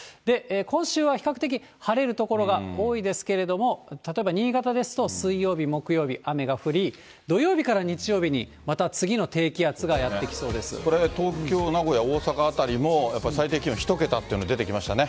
今週は比較的晴れる所が多いですけれども、例えば新潟ですと、水曜日、木曜日、雨が降り、土曜日から日曜日に、また次の低気圧がやって来そうです。これ、東京、名古屋、大阪辺りも、やっぱり最低気温１桁というのが出てきましたね。